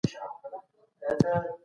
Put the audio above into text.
ګاونډیان به نړیوالي اړیکي پیاوړي کړي.